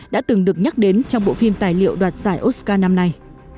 đã từng được nhắc đến trong bộ phim tài liệu đoạt giải oscar năm nay